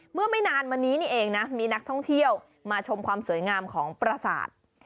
เมื่อไม่นานมานี้นี่เองนะมีนักท่องเที่ยวมาชมความสวยงามของประสาท